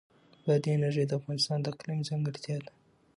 بادي انرژي د افغانستان د اقلیم ځانګړتیا ده.